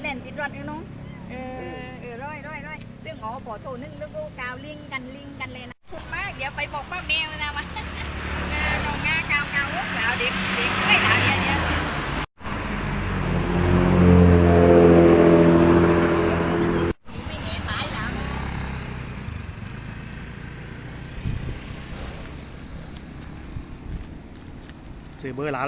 สูบบุรีในเมืองโตบรรยายเอิญญาแดตพุทธอีก